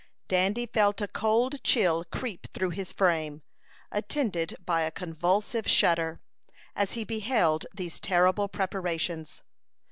Dandy felt a cold chill creep through his frame, attended by a convulsive shudder, as he beheld these terrible preparations.